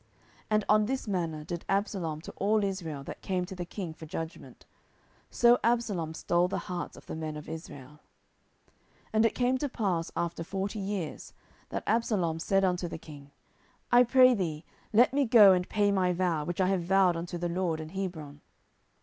10:015:006 And on this manner did Absalom to all Israel that came to the king for judgment: so Absalom stole the hearts of the men of Israel. 10:015:007 And it came to pass after forty years, that Absalom said unto the king, I pray thee, let me go and pay my vow, which I have vowed unto the LORD, in Hebron.